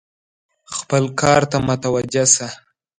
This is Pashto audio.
خپل کار ته متوجه شه !